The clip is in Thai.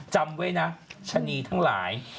จำไว้นะชะนีทั้งหลาย